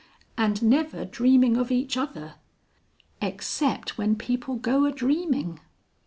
"And never dreaming of each other." "Except when people go a dreaming!"